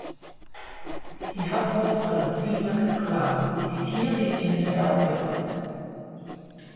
Hy hat wat fan in pynlike clown dy't hieltyd tsjin himsels fjochtet.